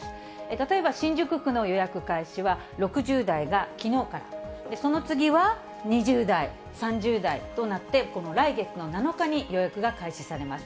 例えば、新宿区の予約開始は６０代がきのうから、その次は、２０代、３０代となって、この来月の７日に予約が開始されます。